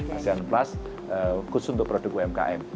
asean plus khusus untuk produk umkm